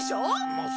まあ